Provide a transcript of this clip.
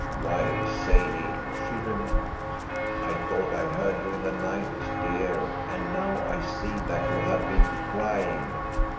"Why, Sadie," she remarked, "I thought I heard you in the night, dear, and now I see that you have been crying."